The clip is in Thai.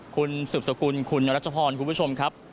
คุณสืบสกุลคุณรัชพรคุณผู้ชมครับ